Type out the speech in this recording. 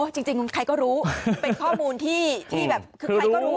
จริงใครก็รู้เป็นข้อมูลที่แบบคือใครก็รู้